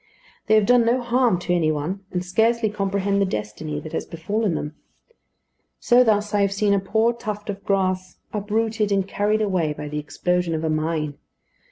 They have done no harm to any one, and scarcely comprehend the destiny that has befallen them. So thus I have seen a poor tuft of grass uprooted and carried away by the explosion of a mine.